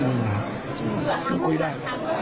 คิดว่ายังได้ยังได้ไม่คุยได้